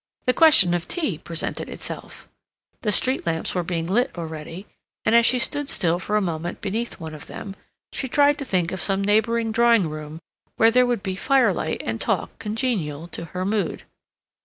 The question of tea presented itself. The street lamps were being lit already, and as she stood still for a moment beneath one of them, she tried to think of some neighboring drawing room where there would be firelight and talk congenial to her mood.